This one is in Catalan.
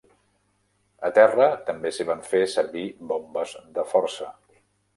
A terra també s'hi van fer servir bombes de força.